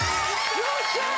・よっしゃー！